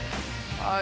はい。